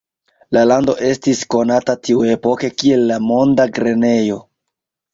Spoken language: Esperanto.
La lando estis konata tiuepoke kiel la "monda grenejo".